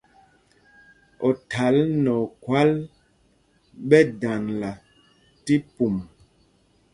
Othǎl nɛ okhwâl ɓɛ daŋla tí mípûm.